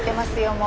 もう。